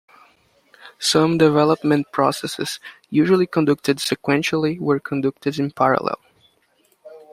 Some development processes usually conducted sequentially were conducted in parallel.